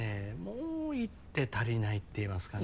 もう一手足りないっていいますかね